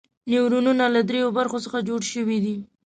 نیورونونه له دریو برخو څخه جوړ شوي دي.